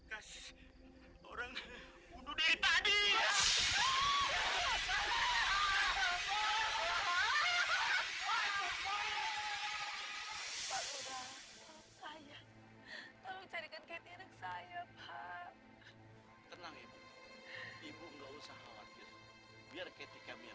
pak bagaimana anak saya kathy apa sudah ketemu